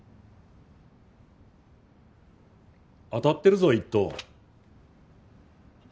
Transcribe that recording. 当たってるぞ１等。